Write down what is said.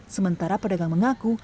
sementara perdagang mengaku